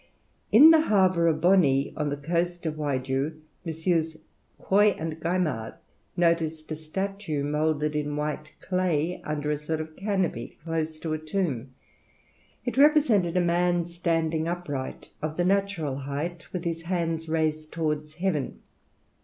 In the harbour of Boni on the coast of Waigiou, MM. Quoy and Gaimard noticed a statue moulded in white clay, under a sort of canopy close to a tomb. It represented a man standing upright, of the natural height, with his hands raised towards heaven.